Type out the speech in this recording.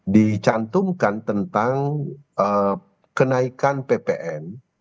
dicantumkan tentang kenaikan ppn